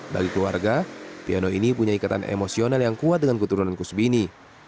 bagi keluarga piano ini punya ikatan emosional yang kuat dengan keturunan kusbini